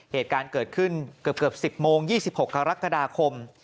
เหตุการณ์เกิดขึ้นเกือบ๑๐โมง๒๖กรกฎาคม